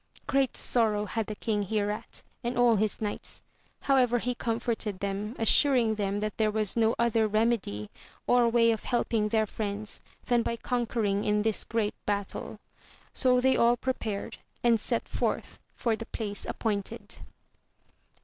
Great sorrow had the king hereat, and all his knights; however he comforted them, assuring them that there was no other remedy, or way of helping their friends, than by conquering in this great battle : so they all prepared, and set forth for the place appointed.